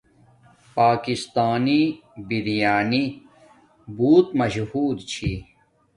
پاکستانی بریانی بوت مشہور چھا